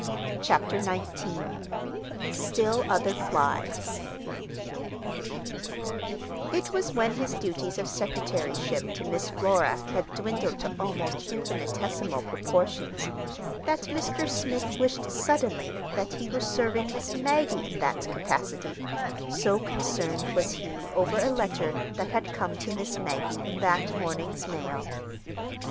CHAPTER XIX STILL OTHER FLIES It was when his duties of secretaryship to Miss Flora had dwindled to almost infinitesimal proportions that Mr. Smith wished suddenly that he were serving Miss Maggie in that capacity, so concerned was he over a letter that had come to Miss Maggie in that morning's mail.